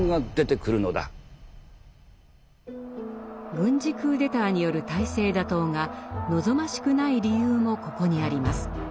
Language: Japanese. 軍事クーデターによる体制打倒が望ましくない理由もここにあります。